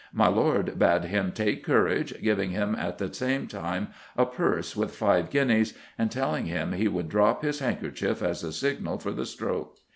My Lord bade him take courage, giving him at the same time a purse with five guineas, and telling him he would drop his handkerchief as a signal for the stroke....